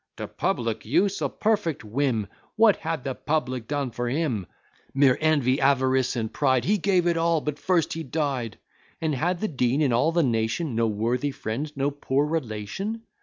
"To public use! a perfect whim! What had the public done for him? Mere envy, avarice, and pride: He gave it all but first he died. And had the Dean, in all the nation, No worthy friend, no poor relation?